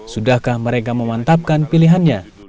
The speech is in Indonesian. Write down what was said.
sudahkah mereka memantapkan pilihannya